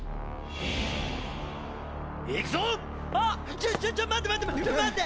ちょちょちょ待って待ってちょ待って！